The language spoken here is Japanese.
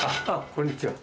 こんにちは。